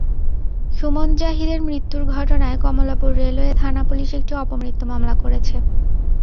সুমন জাহিদের মৃত্যুর ঘটনায় কমলাপুর রেলওয়ে থানা পুলিশ একটি অপমৃত্যু মামলা করেছে।